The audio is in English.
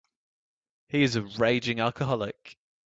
He is a raging alcoholic.